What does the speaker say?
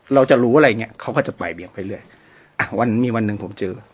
เราจะรู้อะไรอย่างเงี้เขาก็จะปล่อยเบียงไปเรื่อยอ่ะวันมีวันหนึ่งผมเจอ